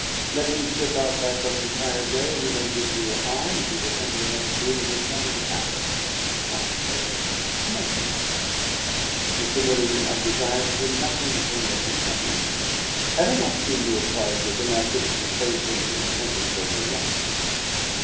Let him slip out by some retired way, and you may give me your arm and we will enter the next room as if nothing had happened. Come, sir " "Mademoiselle " "Mr. Molyneux, I desire to hear nothing from your companion. Had I not seen you at cards with him I should have supposed him in attendance as your lackey.